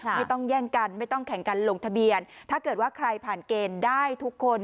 ไม่ต้องแย่งกันไม่ต้องแข่งกันลงทะเบียนถ้าเกิดว่าใครผ่านเกณฑ์ได้ทุกคน